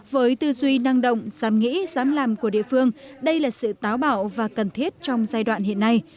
với tư duy năng động giám nghĩ giám làm của địa phương đây là sự táo bảo và cần thiết trong giai đoạn hiện nay